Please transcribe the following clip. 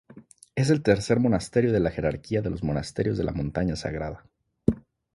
Es el tercer monasterio de la jerarquía de los monasterios de la Montaña Sagrada.